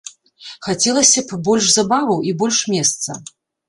Хацелася б больш забаваў і больш месца.